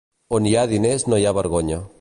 On hi ha diners no hi ha vergonya.